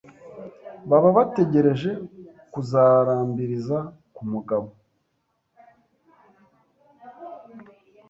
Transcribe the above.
baba bategereje kuzarambiriza ku mugabo